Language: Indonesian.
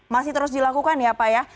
masih terus dilakukan ya pak ya